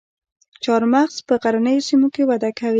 چهارمغز په غرنیو سیمو کې وده کوي